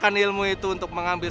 kok tubuhku jadi enteng sih